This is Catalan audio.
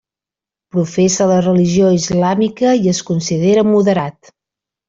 Professa la religió islàmica, i es considera moderat.